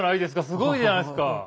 すごいじゃないですか。